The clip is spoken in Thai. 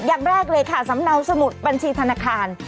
อย่างแรกเลยค่ะสำเนาสมุดบัญชีธนาคาร